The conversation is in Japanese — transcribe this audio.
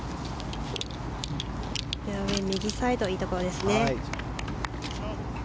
フェアウェー右サイドいいところですね。